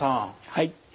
はい。